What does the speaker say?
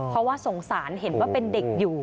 เพราะว่าสงสารเห็นว่าเป็นเด็กอยู่